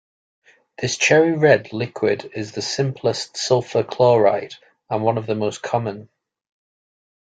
This cherry-red liquid is the simplest sulfur chloride and one of the most common.